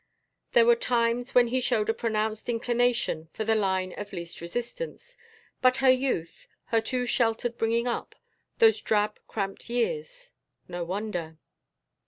There were times when she showed a pronounced inclination for the line of least resistance ... but her youth ... her too sheltered bringing up ... those drab cramped years ... no wonder....